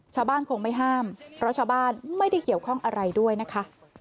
คงไม่ห้ามเพราะชาวบ้านไม่ได้เกี่ยวข้องอะไรด้วยนะคะ